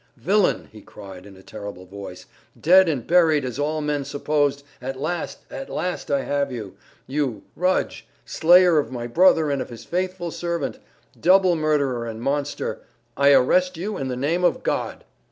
"Villain!" he cried in a terrible voice, "dead and buried as all men supposed, at last, at last I have you! You, Rudge, slayer of my brother and of his faithful servant! Double murderer and monster, I arrest you in the name of God!"